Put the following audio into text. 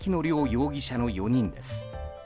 容疑者の４人です。